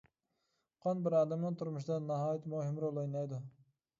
قان بىر ئادەمنىڭ تۇرمۇشىدا ناھايىتى مۇھىم رول ئوينايدۇ.